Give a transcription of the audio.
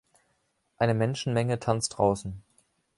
Eine Menschenmenge tanzt draußen.